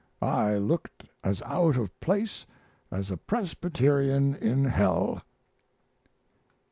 I looked as out of place as a Presbyterian in hell."